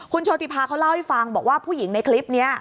โชติภาเขาเล่าให้ฟังบอกว่าผู้หญิงในคลิปนี้